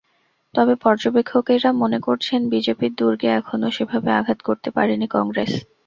তবে পর্যবেক্ষকেরা মনে করছেন, বিজেপির দুর্গে এখনো সেভাবে আঘাত করতে পারেনি কংগ্রেস।